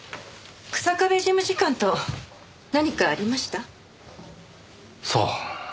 日下部事務次官と何かありました？さあ？